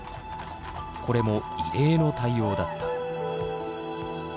これも異例の対応だった。